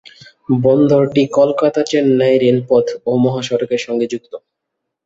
বন্দরটি কলকাতা-চেন্নাই রেলপথ ও মহাসড়কের সঙ্গে যুক্ত।